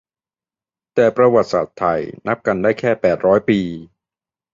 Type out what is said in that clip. แต่ประวัติศาสตร์ไทย นับกันได้แค่แปดร้อยปี